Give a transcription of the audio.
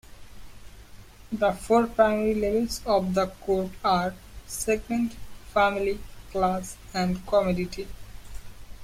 The four primary levels of the code are: Segment, Family, Class and Commodity.